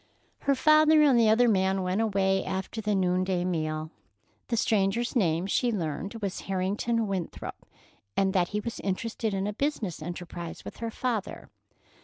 Her father and the other man went away after the noonday meal. The stranger's name, she learned, was Harrington Winthrop, and that he was interested in a business enterprise with her father.